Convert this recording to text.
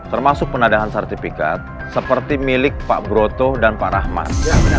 termasuk penadahan sertifikat seperti milik pak broto dan pak rahmat